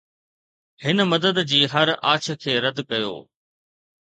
هن مدد جي هر آڇ کي رد ڪيو